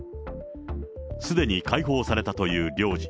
すでに解放されたという領事。